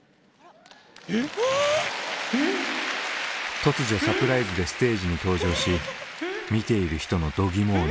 突如サプライズでステージに登場し見ている人の度肝を抜いた。